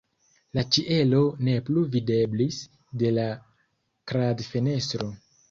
La ĉielo ne plu videblis de la kradfenestro.